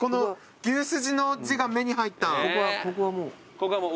ここはもう？